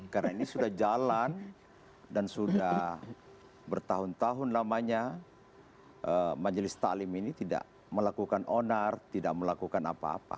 karena ini sudah jalan dan sudah bertahun tahun lamanya majelis taklim ini tidak melakukan onar tidak melakukan apa apa